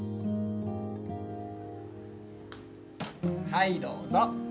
はいどうぞ！